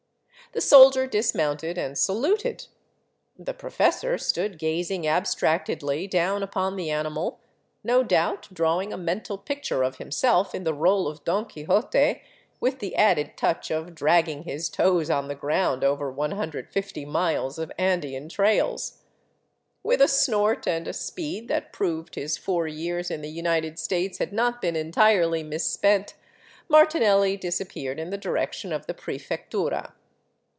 The soldier dismounted and saluted. The professor stood gazing abstractedly down upon the animal, no doubt drawing a mental picture of himself in the role of Don Quixote, with the added touch of dragging his toes on the ground over 150 miles of Andean trails. With a snort, and a speed that proved his four years in the United States had not been entirely misspent, Martinelli disappeared in the direction of the prefec tura.